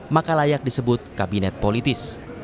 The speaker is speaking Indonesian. maka layak disebut kabinet politis